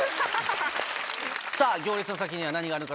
行列の先には何があるか？